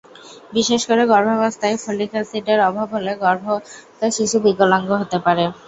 বিশেষ করে গর্ভাবস্থায় ফলিক অ্যাসিডের অভাব হলে গর্ভস্থ শিশু বিকলাঙ্গ হতে পারে।